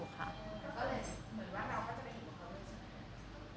ก็เลยเหมือนว่าเราก็จะไปอยู่กับเขาเลยใช่มั้ย